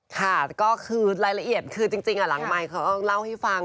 ค่ะก็คือรายละเอียดคือจริงหลังใหม่เขาเล่าให้ฟัง